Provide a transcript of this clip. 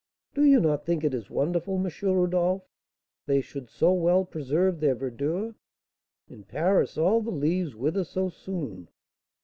Do not you think it is wonderful, M. Rodolph, they should so well preserve their verdure? In Paris, all the leaves wither so soon.